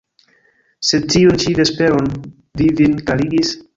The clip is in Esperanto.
Sed tiun ĉi vesperon vi vin klarigis?